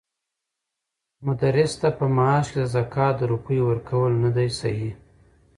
مدرس ته په معاش کې د زکات د روپيو ورکول ندی صحيح؛